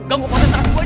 ganggu pasal trans gue